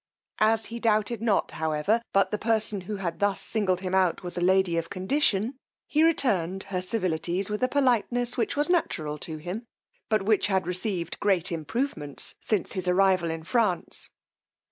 As he doubted not, however, but the person who had thus singled him out was a lady of condition, he returned her civilities with a politeness which was natural to him, but which had received great improvements since his arrival in France.